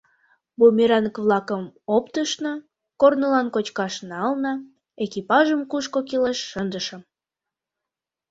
Бумеранг-влакым оптышна, корнылан кочкаш нална, экипажым кушко кӱлеш шындышым.